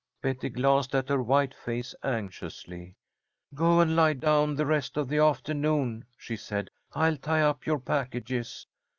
Betty glanced at her white face anxiously. "Go and lie down the rest of the afternoon," she said. "I'll tie up your packages."